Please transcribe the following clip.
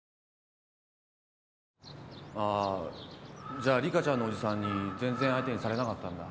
じゃあリカちゃんの伯父さんに全然相手にされなかったんだ。